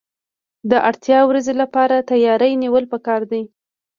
د اړتیا ورځې لپاره تیاری نیول پکار دي.